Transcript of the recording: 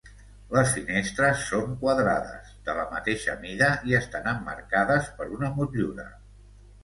Les finestres són quadrades, de la mateixa mida i estan emmarcades per una motllura.